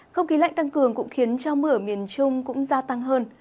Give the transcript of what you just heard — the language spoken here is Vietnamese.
không khí lạnh tăng cường cũng khiến cho mưa ở miền trung cũng gia tăng hơn